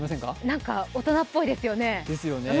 何か大人っぽいですよね。